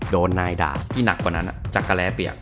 โดนนายด่าที่หนักกว่านั้นจักรแร้เปียก